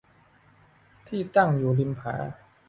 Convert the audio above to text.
ที่ตั้งอยู่ริมผา